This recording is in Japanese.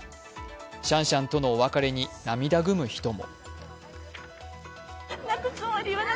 シャンシャンとのお別れに涙ぐむ人も。